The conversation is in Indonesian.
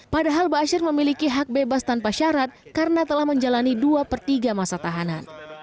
padahal ⁇ baasyir ⁇ memiliki hak bebas tanpa syarat karena telah menjalani dua per tiga masa tahanan